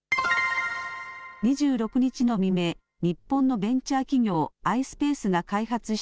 ２６日の未明、日本のベンチャー企業、ｉｓｐａｃｅが開発し